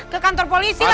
ke kantor polisi lah